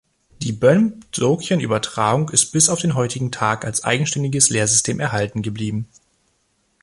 Die Bön-Dzogchen-Übertragung ist bis auf den heutigen Tag als eigenständiges Lehrsystem erhalten geblieben.